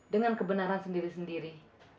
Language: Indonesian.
dengan kebenaran sendiri sendiri